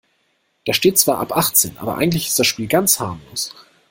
Da steht zwar ab achtzehn, aber eigentlich ist das Spiel ganz harmlos.